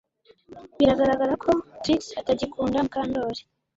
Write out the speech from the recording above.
Biragaragara ko Trix atagikunda Mukandoli